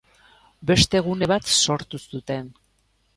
Beste gune bat sortu zuten.